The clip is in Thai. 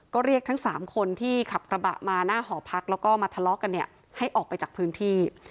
ก็เรียกทั้ง๓คนที่ขับกระบะมาหน้าหอพักแล้วก็มาทะเลาะกันเนี่ยให้ออกไปจากพื้นที่